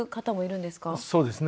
そうですね